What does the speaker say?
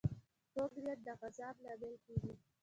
کوږ نیت د عذاب لامل کېږي